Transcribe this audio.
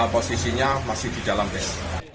posisinya masih di dalam bus